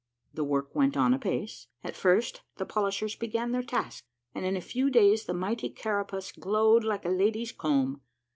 The work went on apace. At first the polishers began their task, and in a few days the mighty carapace glowed like a lady's comb.